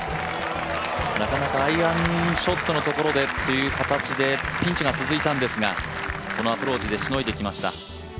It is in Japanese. なかなかアイアンショットのところでって形でピンチが続いたんですが、このアプローチでしのいできました。